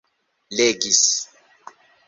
legis